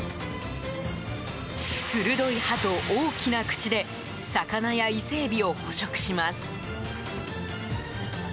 鋭い歯と大きな口で魚やイセエビを捕食します。